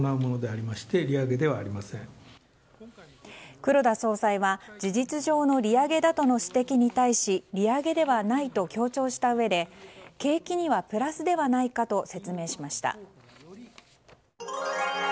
黒田総裁は事実上の利上げだとの指摘に対し利上げではないと強調したうえで景気にはプラスではないかと説明しました。